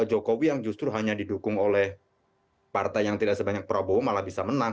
jokowi yang justru hanya didukung oleh partai yang tidak sebanyak prabowo malah bisa menang